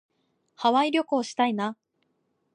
ハワイ旅行したいな。